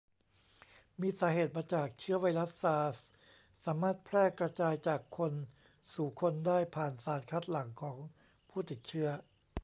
มีสาเหตุมาจากเชื้อไวรัสซาร์ส สามารถแพร่กระจายจากคนสู่คนได้ผ่านสารคัดหลั่งของผู้ติดเชื้อ